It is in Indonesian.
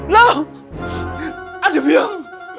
loh ade biang